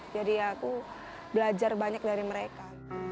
jadi aku belajar banyak dari mereka